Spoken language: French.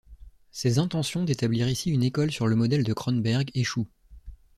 Ses intentions d'établir ici une école sur le modèle de Kronberg échoue.